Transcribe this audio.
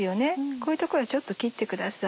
こういう所はちょっと切ってください。